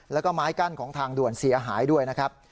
แล้วก็ไม้กั้นของทางด่วนเสียหายด้วยนะครับ